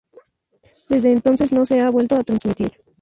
Desde entonces no se ha vuelto a transmitir.